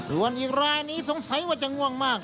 ส่วนอีกรายนี้สงสัยว่าจะง่วงมาก